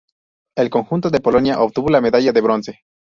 El conjunto de Polonia obtuvo la medalla de bronce.